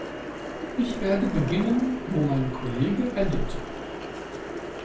Ich werden beginnen, wo mein Kollege endete.